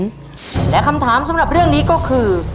และคำถามสำหรับเรื่องนี้ก็คือ